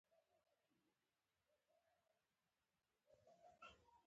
د انسان معنوي تکامل لا هم پای ته نهدی رسېدلی.